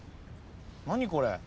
何これ。